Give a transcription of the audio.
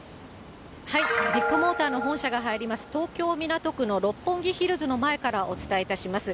ビッグモーターの本社が入ります、東京・港区の六本木ヒルズの前からお伝えいたします。